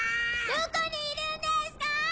どこにいるんですか！